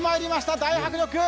大迫力！